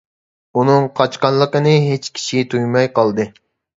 ئۇنىڭ قاچقانلىقىنى ھېچ كىشى تۇيماي قالدى.